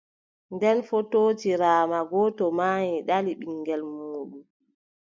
Nden fotootiraama, gooto maayi, ɗali ɓiŋngel muuɗum.